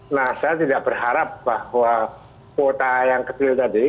nah saya tidak berharap bahwa kuota yang kecil tadi